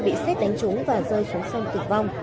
bị xét đánh trúng và rơi xuống sông tử vong